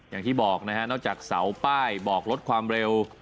อย่างที่บอกนะฮะนอกจากเสาป้ายบอกลดความเร็ว